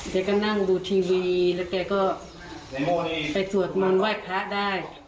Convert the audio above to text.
แกก็นั่งดูทีวีแล้วแกก็ไปสวดมนต์ไหว้พระได้